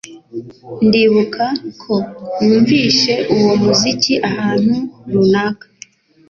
Ndibuka ko numvise uwo muziki ahantu runaka